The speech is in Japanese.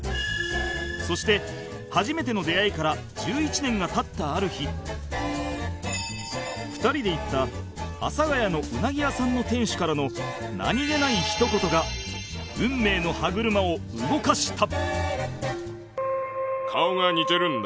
そして初めての出会いから１１年が経ったある日２人で行った阿佐ヶ谷の鰻屋さんの店主からの何げないひと言が運命の歯車を動かした